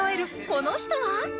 この人は